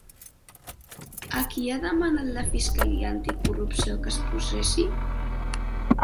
A qui ha demanat la fiscalia anticorrupció que es processi?